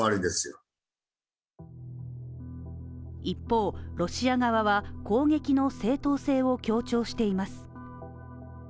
一方、ロシア側は攻撃の正当性を強調しています。